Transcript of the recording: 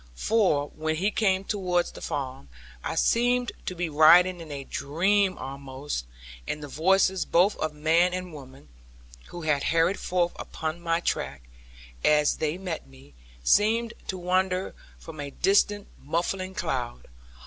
For, when we came towards the farm, I seemed to be riding in a dream almost; and the voices both of man and women (who had hurried forth upon my track), as they met me, seemed to wander from a distant muffling cloud.